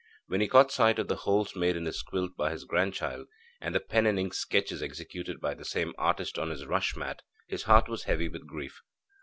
When he caught sight of the holes made in his quilt by his grandchild, and the pen and ink sketches executed by the same artist on his rush mat, his heart was heavy with grief.